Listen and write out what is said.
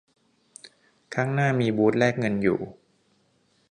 ข้างหน้ามีบูธแลกเงินอยู่